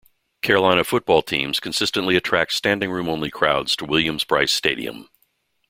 Carolina football teams consistently attract standing-room-only crowds to Williams-Brice Stadium.